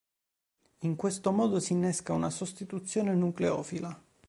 In questo modo si innesca una sostituzione nucleofila.